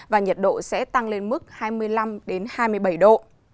và nhiệt độ sẽ tăng lên mức hai mươi năm hai mươi bảy độ